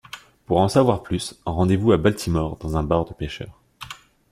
Pour en savoir plus, rendez-vous à Baltimore dans un bar de pécheurs.